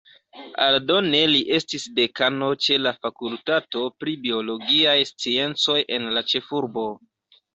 Aldone li estis dekano ĉe la fakultato pri biologiaj sciencoj en la ĉefurbo.